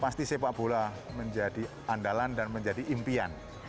pasti sepak bola menjadi andalan dan menjadi impian